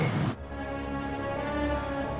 berarti belum selesai